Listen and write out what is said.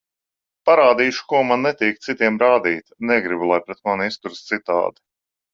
Parādīšu, ko man netīk citiem rādīt, negribu, lai pret mani izturas citādi.